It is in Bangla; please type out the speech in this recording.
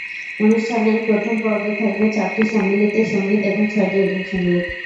অনুষ্ঠানের প্রথম পর্বে থাকবে চারটি সম্মিলিত সংগীত এবং ছয়টি একক সংগীত।